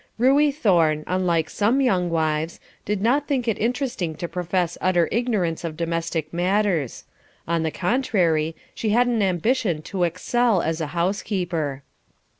Ruey Thorne, unlike some young wives, did not think it interesting to profess utter ignorance of domestic matters; on the contrary, she had an ambition to excel as a housekeeper.